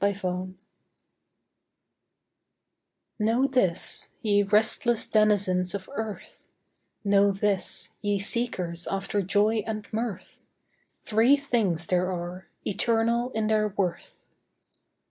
THREE THINGS Know this, ye restless denizens of earth, Know this, ye seekers after joy and mirth, Three things there are, eternal in their worth.